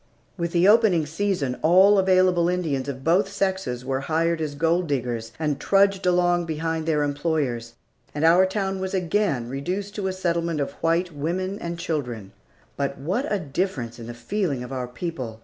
With the opening season all available Indians of both sexes were hired as gold diggers, and trudged along behind their employers, and our town was again reduced to a settlement of white women and children. But what a difference in the feeling of our people!